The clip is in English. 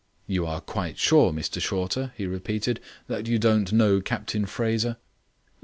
"You are quite sure, Mr Shorter," he repeated, "that you don't know Captain Fraser?"